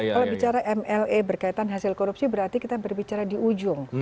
kalau bicara mla berkaitan hasil korupsi berarti kita berbicara di ujung